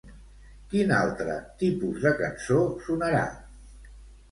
Quin altre tipus de cançó sonarà?